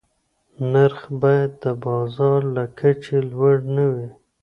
نرخ باید د بازار له کچې لوړ نه وي.